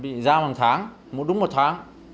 bị giam một tháng đúng một tháng